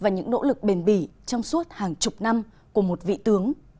nỗ lực bền bỉ trong suốt hàng chục năm của một vị tướng